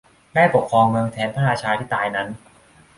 ได้ปกครองเมืองแทนพระราชาที่ตายนั้น